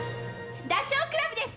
ダチョウ倶楽部です